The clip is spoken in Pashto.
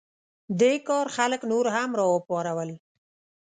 دې کار خلک نور هم راوپارول.